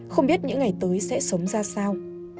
không biết những ngày tới sẽ sống ra sao